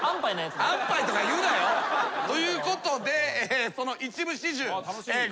安パイとか言うなよ。ということでその一部始終ご覧ください。